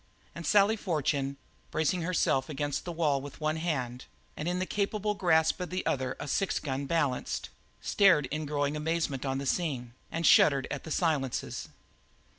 And Sally Fortune, bracing herself against the wall with one hand, and in the capable grasp of the other a six gun balanced, stared in growing amazement on the scene, and shuddered at the silences.